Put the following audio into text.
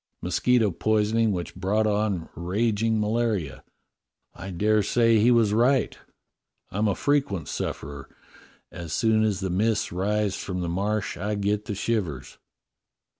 Mosquito poisoning which brought on rag ing malaria. I dare say he was right: I'm a frequent sufferer. As soon as the mists rise from the Marsh I get the shivers."